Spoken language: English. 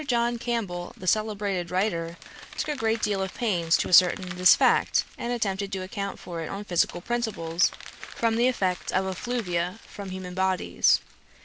John Campbell, the celebrated writer, took a great deal of pains to ascertain this fact, and attempted to account for it on physical principles, from the effect of effluvia from human bodies.